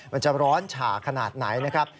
มันจะร้อนฉ่าขนาดไหนนะครับ